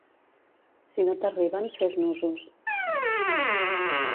Si no t'arriben, fes nusos.